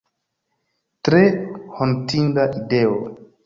Tre hontinda ideo!